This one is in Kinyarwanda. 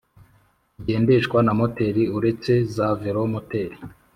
kigendeshwa na moteri uretse za velomoteri